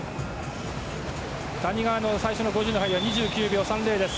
谷川の最初の５０の入りは２９秒３０です。